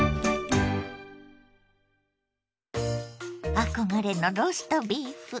憧れのローストビーフ。